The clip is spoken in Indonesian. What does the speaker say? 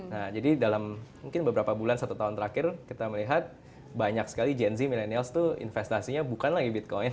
nah jadi dalam mungkin beberapa bulan satu tahun terakhir kita melihat banyak sekali gen z millennials itu investasinya bukan lagi bitcoin